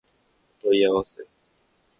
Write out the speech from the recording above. お問い合わせ